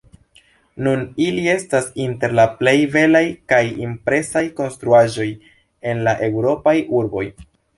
Nun ili estas inter la plej belaj kaj impresaj konstruaĵoj en la Eŭropaj urboj.